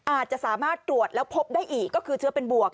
อาจจะสามารถตรวจแล้วพบได้อีกก็คือเชื้อเป็นบวก